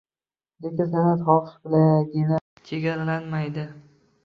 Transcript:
Lekin san’at xohish bilangina chegaralanmaydi.